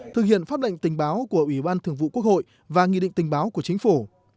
thực hiện pháp lệnh tình báo của ủy ban thường vụ quốc hội và nghị định tình báo của chính phủ